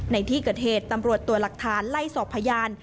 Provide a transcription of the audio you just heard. ในที่เกิดเหตุตำรวจตัวหลักฐานไล่สอบพยาน